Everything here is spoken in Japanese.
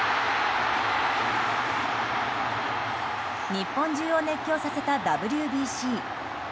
日本中を熱狂させたＷＢＣ。